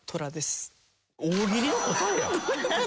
大喜利の答えやん。